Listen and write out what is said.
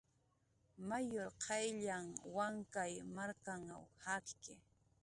Mayur qayllanh Wankay markanw jakki